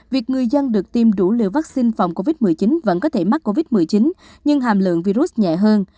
việc người dân được tiêm đủ liều vaccine phòng covid một mươi chín vẫn có thể mắc covid một mươi chín nhưng hàm lượng virus nhẹ hơn